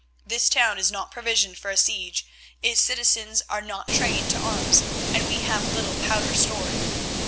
This town is not provisioned for a siege, its citizens are not trained to arms, and we have little powder stored.